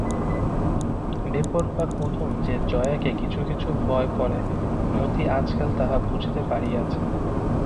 বেপরোয়া কুমুদ যে জয়াকে কিছু কিছু ভয় করে, মতি আজকাল তাহা বুঝিতে পারিয়াছে।